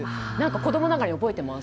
子供ながらに覚えてます。